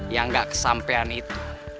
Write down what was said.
yang gak kesampean itu